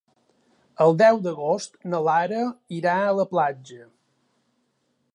El deu d'agost na Lara irà a la platja.